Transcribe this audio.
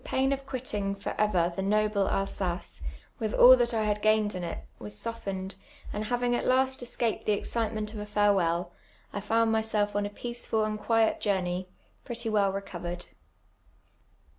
Tho ])nin of quitting for over tho noble Alsnco, witli all that I had i^aini'd in it, was softened, and liavin<j; at last escajud the excitement of a farewell, 1 found niysell' on a peaceful and quiet journey, ])retty well recovered.